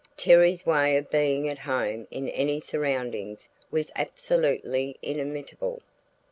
Terry's way of being at home in any surroundings was absolutely inimitable.